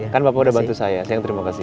kan bapak udah bantu saya sayang terima kasih